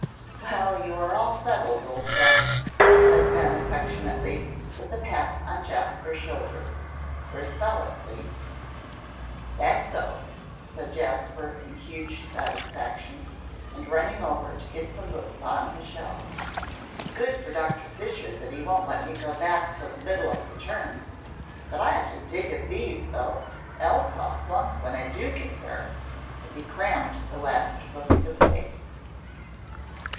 "Well, you are all settled, old chap," said Ben, affectionately, with a pat on Jasper's shoulder, "for a spell at least." "That's so," said Jasper, in huge satisfaction, and running over to set some books on his shelves; "good for Doctor Fisher that he won't let me go back till the middle of the term! But I have to dig at these, though, else I'll flunk when I do get there," as he crammed the last book into place.